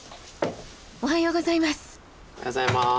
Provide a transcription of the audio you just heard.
おはようございます。